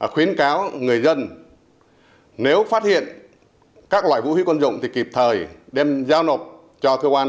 khuyến cáo người dân nếu phát hiện các loại vũ khí quân dụng thì kịp thời đem giao nộp cho cơ quan